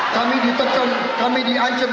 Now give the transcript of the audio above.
kami ditekan kami diancam